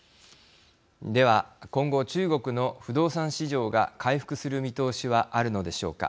では今後中国の不動産市場が回復する見通しはあるのでしょうか。